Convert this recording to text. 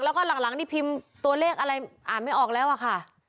แล้วก็หลังนี่พิมพ์ตัวเลขอะไรอ่านไม่ออกแล้วอะค่ะ